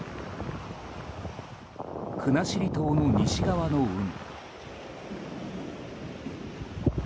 国後島の西側の海。